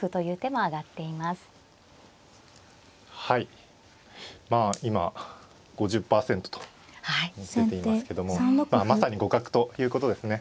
まあ今５０％と出ていますけどもまあまさに互角ということですね。